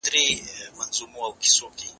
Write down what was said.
زه پرون د کتابتوننۍ سره خبري وکړې؟